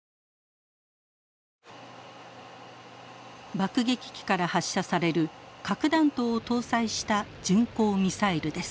爆撃機から発射される核弾頭を搭載した巡航ミサイルです。